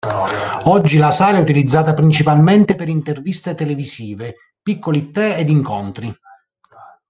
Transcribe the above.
Oggi la sala è utilizzata principalmente per interviste televisive, piccoli tè ed incontri.